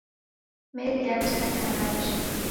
Meli yatika daraja